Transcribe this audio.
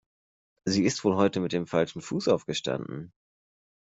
Sie ist wohl heute mit dem falschen Fuß aufgestanden.